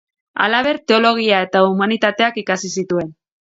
Halaber teologia eta humanitateak ikasi zituen.